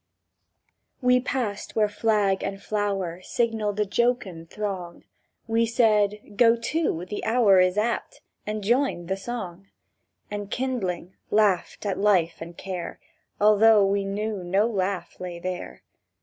WE passed where flag and flower Signalled a jocund throng; We said: "Go to, the hour Is apt!"—and joined the song; And, kindling, laughed at life and care, Although we knew no laugh lay there.